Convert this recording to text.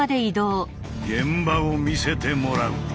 現場を見せてもらう！